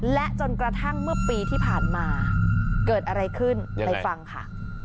และจนกระทั่งเมื่อปีที่ผ่านมาเกิดอะไรขึ้นไปฟังค่ะ